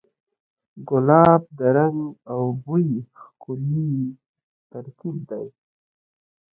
ګلاب د رنګ او بوی ښکلی ترکیب دی.